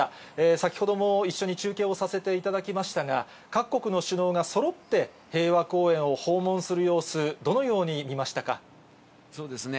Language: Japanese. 先ほども一緒に中継をさせていただきましたが、各国の首脳がそろって平和公園を訪問する様子、どのように見ましそうですね。